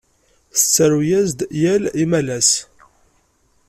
Tettaru-as-d yal imalas.